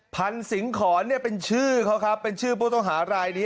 พันศิงขรเป็นชื่อเขาครับเป็นชื่อพวกต้องหารายนี้